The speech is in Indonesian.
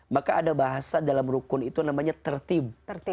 maka ada bahasa dalam rukun itu namanya tertib